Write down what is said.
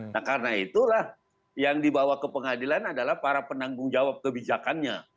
nah karena itulah yang dibawa ke pengadilan adalah para penanggung jawab kebijakannya